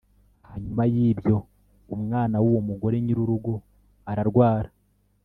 Hanyuma y’ibyo, umwana w’uwo mugore nyir’urugo ararwara